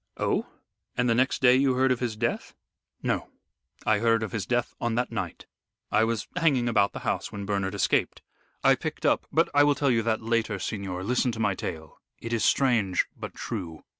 "Oh! And the next day you heard of his death?" "No, I heard of his death on that night. I was hanging about the house when Bernard escaped. I picked up but I will tell you that later, signor, listen to my tale it is strange but true.